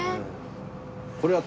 これは。